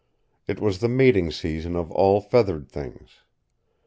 It was the mating season of all feathered things.